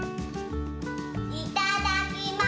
いただきます。